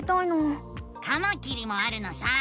カマキリもあるのさ！